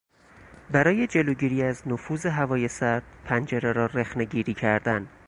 برای جلوگیری از نفوذ هوای سرد پنجره را رخنهگیری کردن